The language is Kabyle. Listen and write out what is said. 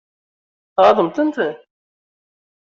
Tɣaḍem-tent?